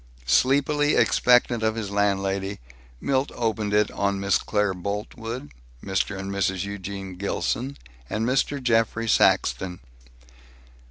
Sleepily expectant of his landlady, Milt opened it on Miss Claire Boltwood, Mr. and Mrs. Eugene Gilson, and Mr. Geoffrey Saxton.